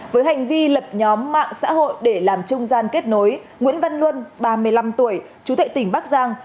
với hành vi lập nhóm mạng xã hội để làm trung gian kết nối nguyễn văn luân ba mươi năm tuổi chú thệ tỉnh bắc giang